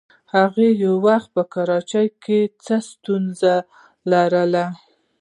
هغې یو وخت په کراچۍ کې څه ستونزه لرله.